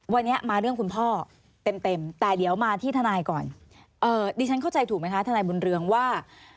วันนี้มาเรื่องคุณพ่อเต็มแต่เดี๋ยวมาที่ทนายก่อนดิฉันเข้าใจถูกไหมคะทนายบุญเรืองว่า